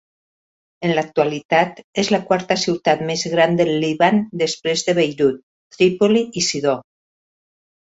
En l'actualitat és la quarta ciutat més gran del Líban després de Beirut, Trípoli i Sidó.